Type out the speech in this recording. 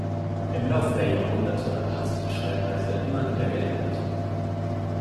Im Laufe der Jahrhunderte hat sich die Schreibweise immer wieder geändert.